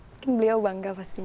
mungkin beliau bangga pastinya